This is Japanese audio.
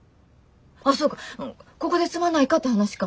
あぁそうここで住まないかって話か。